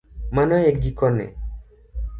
Mano e giko ne